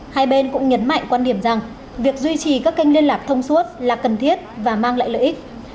hai bên cũng nhấn mạnh quan điểm rằng việc duy trì các kênh liên lạc thông suốt là cần thiết và mang lại lợi ích